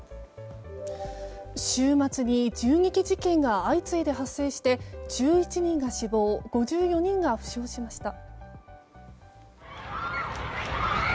週末に銃撃事件が相次いで発生して１１人が死亡５４人が負傷しました。